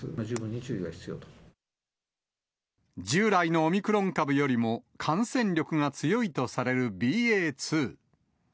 十分に注意従来のオミクロン株よりも感染力が強いとされるＢＡ．２。